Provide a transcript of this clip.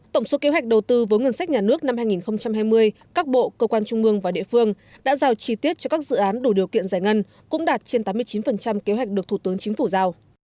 tổng số kế hoạch đầu tư với ngân sách nhà nước năm hai nghìn hai mươi các bộ cơ quan trung mương và địa phương đã giao chi tiết cho các dự án đủ điều kiện giải ngân cũng đạt trên tám mươi chín kế hoạch được thủ tướng chính phủ giao